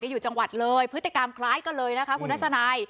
อยู่จังหวัดเลยพฤติกรรมคล้ายกันเลยนะคะคุณทัศนัย